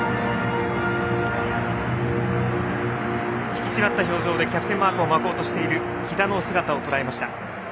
引き締まった表情でキャプテンマークを巻こうとしている喜田の姿を捉えました。